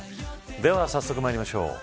早速まいりましょう。